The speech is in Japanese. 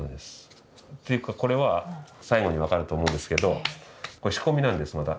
ていうかこれは最後に分かると思うんですけど仕込みなんですまだ。